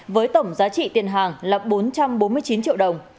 với tổng giá trị tiền hàng là bốn trăm bốn mươi chín triệu đồng